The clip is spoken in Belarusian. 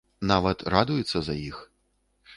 Нават радуецца за іх.